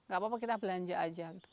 gak apa apa kita belanja aja